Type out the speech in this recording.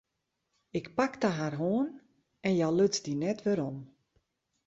Ik pakte har hân en hja luts dy net werom.